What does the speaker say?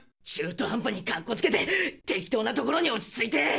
中途半端にかっこつけて適当な所に落ち着いて。